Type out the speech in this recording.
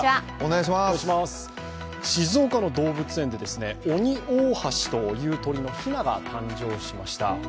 静岡の動物園でオニオオハシという鳥のひなが生まれました。